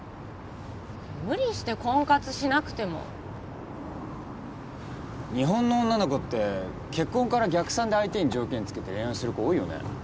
無理して婚活しなくても日本の女の子って結婚から逆算で相手に条件つけて恋愛する子多いよね